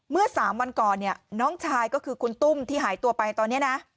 เมื่อ๓วันก่อนเนี่ยน้องชายก็คือคุณตุ้มที่หายตัวไปตอนนี้นะ